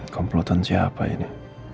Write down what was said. komplotan siapa ini